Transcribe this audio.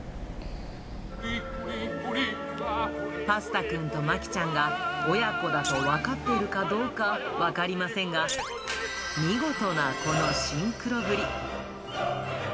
パスタくんとまきちゃんが、親子だと分かっているかどうか、分かりませんが、見事なこのシンクロぶり。